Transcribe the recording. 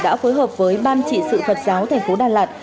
đã phối hợp với ban trị sự phật giáo thành phố đà lạt